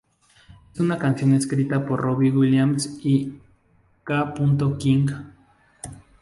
Es una canción escrita por Robbie Williams y K. King.